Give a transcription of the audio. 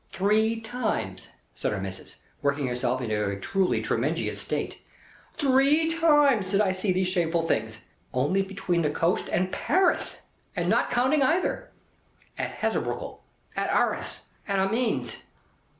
"Three times," said our Missis, working herself into a truly terrimenjious state, "three times did I see these shamful things, only between the coast and Paris, and not counting either: at Hazebroucke, at Arras, at Amiens.